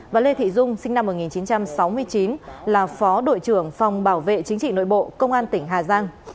và lê thị dung sinh năm một nghìn chín trăm sáu mươi chín là phó đội trưởng phòng bảo vệ chính trị nội bộ công an tỉnh hà giang